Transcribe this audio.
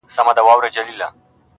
د شنو خالونو د ټومبلو کيسه ختمه نه ده.